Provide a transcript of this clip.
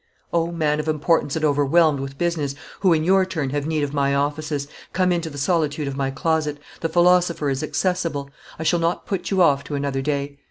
O man of importance and overwhelmed with business, who in your turn have need of my offices, come into the solitude of my closet; the philosopher is accessible; I shall not put you off to another day.